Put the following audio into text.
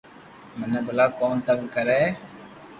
مني ڀلا ڪو تنگ ڪري